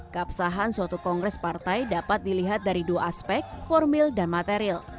keabsahan suatu kongres partai dapat dilihat dari dua aspek formil dan material